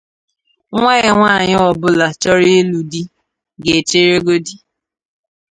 Nwa ya nwaanyị ọbụla chọrọ ịlụ di ga-echeregodi